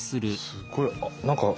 すごい何か。